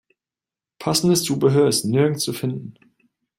Passendes Zubehör ist nirgends zu finden.